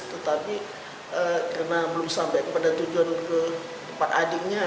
tetapi karena belum sampai kepada tujuan ke tempat adiknya